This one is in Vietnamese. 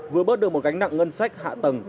vừa bớt được một gánh nặng ngân sách hạ tầng